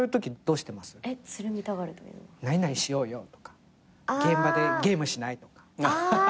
「何々しようよ」とか現場で「ゲームしない？」とか。